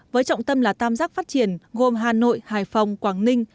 với trọng tâm là tam giác phát triển gồm hà nội hải phòng quảng ninh